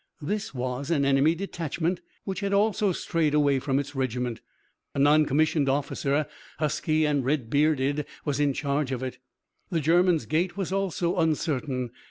This was an enemy detachment which had also strayed away from its regiment. A non commissioned officer, husky and red bearded, was in charge of it. The Germans' gait was also uncertain.